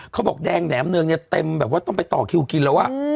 เขาบอกแดงแหนมเนืองเนี่ยเต็มแบบว่าต้องไปต่อคิวกินแล้ว